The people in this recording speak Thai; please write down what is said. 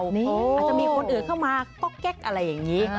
อาจจะมีคนอื่นเข้ามาก๊อกแก๊กอะไรอย่างนี้